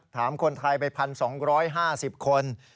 ถามคนไทยไป๑๒๕๐คน